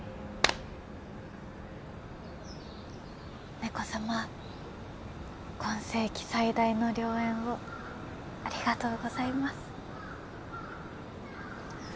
猫様今世紀最大の良縁をありがとうございます